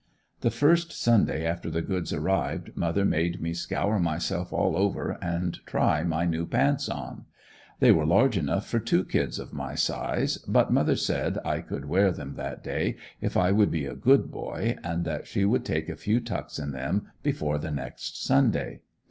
The first Sunday after the goods arrived mother made me scour myself all over and try my new pants on. They were large enough for two kids of my size, but mother said I could wear them that day if I would be a good boy, and that she would take a few tucks in them before the next Sunday.